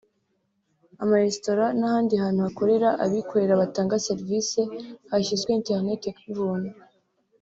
amaresitora n’ahandi hantu hakorera abikorera batanga serivisi hashyizwe internet y’ubuntu